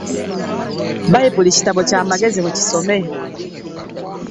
Bayibuli kitabo kyamagezi mukisome .